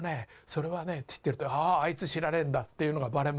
それはねって言ってるとあああいつ知らねえんだっていうのがバレますから。